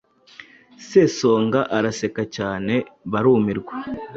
Sesonga araseka cyane barumirwa